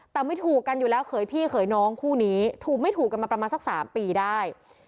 แต่ไม่ถูกกันอยู่แล้วเขยพี่เขยน้องคู่นี้ถูกไม่ถูกกันมาประมาณสัก๓ปีได้